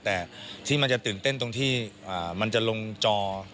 แต่ที่มันจะตื่นเต้นตรงที่มันจะลงจอ